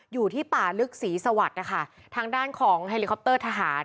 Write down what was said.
อยู่ที่ป่าลึกศรีสวัสดิ์นะคะทางด้านของเฮลิคอปเตอร์ทหาร